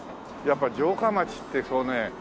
やっぱ城下町ってそのね